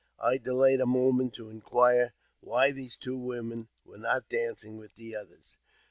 I delayed a moment to inquire why these two women were not dancing with the others.